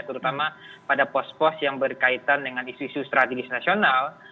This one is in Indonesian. terutama pada pos pos yang berkaitan dengan isu isu strategis nasional